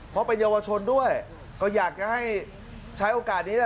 เพราะเป็นเยาวชนด้วยก็อยากจะให้ใช้โอกาสนี้แหละ